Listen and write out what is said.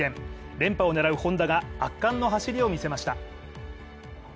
連覇を狙うＨｏｎｄａが圧巻の走りを見せました。